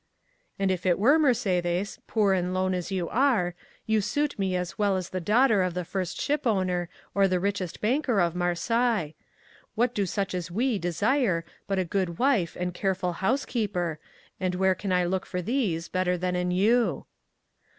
"And if it were, Mercédès, poor and lone as you are, you suit me as well as the daughter of the first shipowner or the richest banker of Marseilles! What do such as we desire but a good wife and careful housekeeper, and where can I look for these better than in you?"